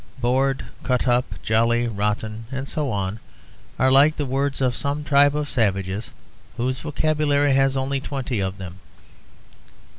'Bored,' 'cut up,' 'jolly,' 'rotten,' and so on, are like the words of some tribe of savages whose vocabulary has only twenty of them.